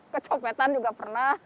kecopetan juga pernah